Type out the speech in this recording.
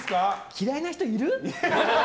嫌いな人、いる？